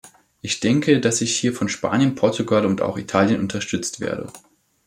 Ich denke, dass ich hier von Spanien, Portugal und auch Italien unterstützt werde.